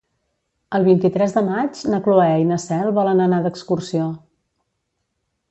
El vint-i-tres de maig na Cloè i na Cel volen anar d'excursió.